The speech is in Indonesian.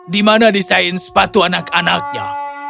di mana desain sepatu anak anaknya